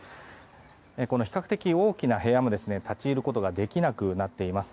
比較的大きな部屋も立ち入ることもできなくなっています。